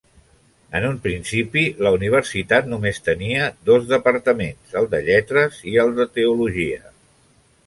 En un principi, la universitat només tenia dos departaments, el de Lletres i el de Teologia.